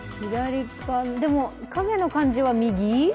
でも、影の感じは右？